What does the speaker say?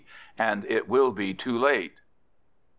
And it will be too late.